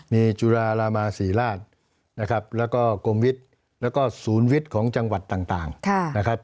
มีจุฬารามาศรีราชนะครับแล้วก็กรมวิทย์แล้วก็ศูนย์วิทย์ของจังหวัดต่างนะครับ